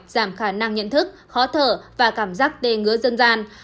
giảm khả năng nhận thức khó thở và cảm giác đề ngứa dân gian